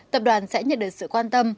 tập đoàn sẽ nhận được sự quan tâm